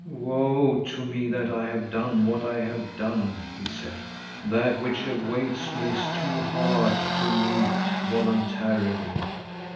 "Woe to me that I have done what I have done," he said. "That which awaits me is too hard to meet voluntarily.